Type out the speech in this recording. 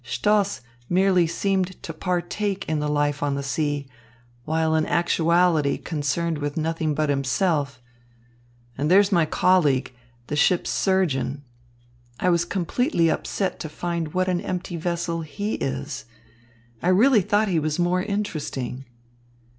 Stoss merely seemed to partake in the life on the sea, while in actuality concerned with nothing but himself. And there's my colleague, the ship's surgeon. I was completely upset to find what an empty vessel he is. I really thought he was more interesting."